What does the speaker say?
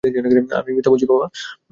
আমি মিথ্যা বলছি, বাবা?